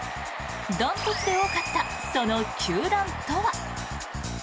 断トツで多かったその球団とは？